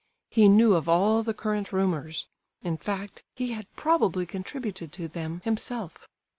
He knew of all the current rumours,—in fact, he had probably contributed to them himself.